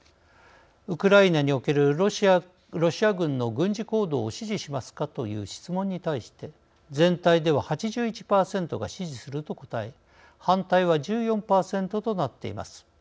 ウクライナにおけるロシア軍の軍事行動を支持しますかという質問に対して全体では８１％が支持すると答え反対は１４％となっています。